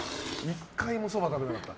１回も、そば食べなかった。